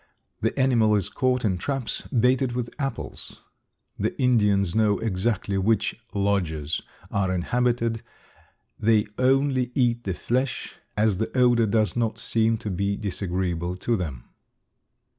The animal is caught in traps baited with apples. The Indians know exactly which "lodges" are inhabited; they only eat the flesh, as the odor does not seem to be disagreeable to them.